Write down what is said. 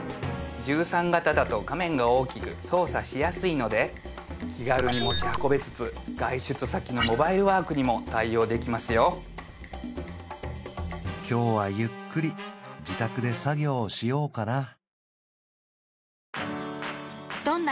１３型だと画面が大きく操作しやすいので気軽に持ち運べつつ外出先のモバイルワークにも対応できますよ今日はゆっくり自宅で作業しようかな